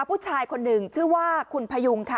ผู้ชายคนหนึ่งชื่อว่าคุณพยุงค่ะ